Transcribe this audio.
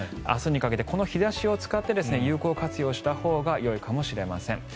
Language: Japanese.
明日にかけてこの日差しを使って有効活用したほうがよいかもしれません。